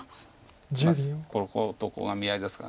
こことここが見合いですから。